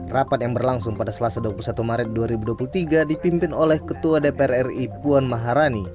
rapat yang berlangsung pada selasa dua puluh satu maret dua ribu dua puluh tiga dipimpin oleh ketua dpr ri puan maharani